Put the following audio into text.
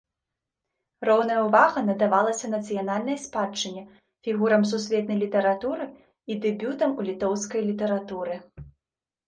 Роўная ўвага надавалася нацыянальнай спадчыне, фігурам сусветнай літаратуры і дэбютам у літоўскай літаратуры.